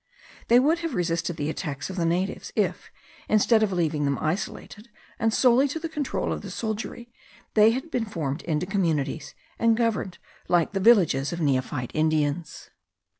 They would have resisted the attacks of the natives, if, instead of leaving them isolated and solely to the control of the soldiery, they had been formed into communities, and governed like the villages of neophyte Indians.